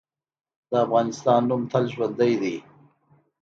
د افغانستان نوم تل ژوندی دی.